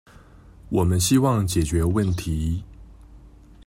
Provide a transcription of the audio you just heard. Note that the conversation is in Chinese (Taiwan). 我們希望解決問題